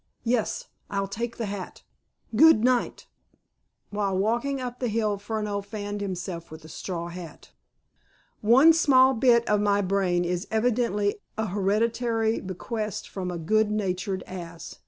Yes. I'll take the hat. Good night!" While walking up the hill Furneaux fanned himself with the straw hat. "One small bit of my brain is evidently a hereditary bequest from a good natured ass!"